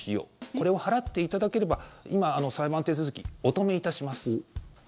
これを払っていただければ今、裁判手続きお止めいたします。